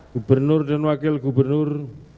gubernur dan wakil gubernur